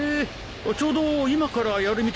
ちょうど今からやるみたいだよ。